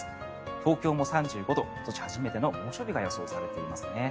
東京も３５度今年初めての猛暑日が予想されていますね。